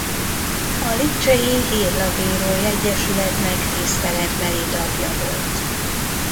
A lipcsei hírlapírói egyesületnek tiszteletbeli tagja volt.